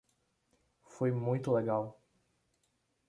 Foi muito legal.